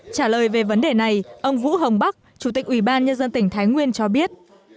trả lời về vấn đề này ông vũ hồng bắc chủ tịch ủy ban nhân dân tỉnh thái nguyên cho biết